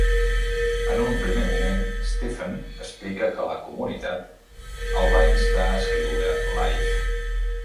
En un primer moment, Stephen explica que la comunitat el va instar a escriure "Life".